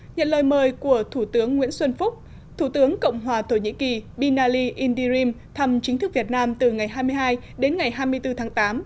nhận lời mời của thủ tướng nguyễn xuân phúc thủ tướng cộng hòa thổ nhĩ kỳ binali indirim thăm chính thức việt nam từ ngày hai mươi hai đến ngày hai mươi bốn tháng tám